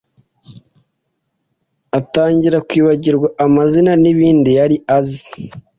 atangira kwibagirwa amazina n’ibindi yari azi